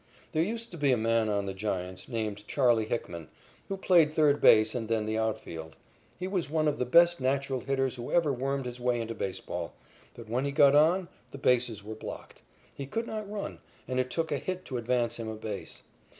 There used to be a man on the Giants, named "Charley" Hickman, who played third base and then the outfield. He was one of the best natural hitters who ever wormed his way into baseball, but when he got on, the bases were blocked. He could not run, and it took a hit to advance him a base.